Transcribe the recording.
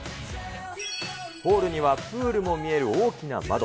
ホールにはプールも見える大きな窓。